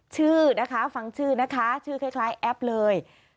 ชื่อนะคะฟังชื่อนะคะชื่อคล้ายแอปเลย